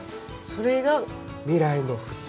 それが未来の普通？